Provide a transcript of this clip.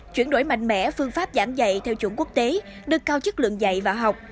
chuyển đổi mạnh mẽ phương pháp giảng dạy theo chuẩn quốc tế đưa cao chất lượng dạy và học